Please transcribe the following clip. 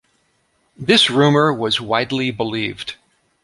This rumor was widely believed.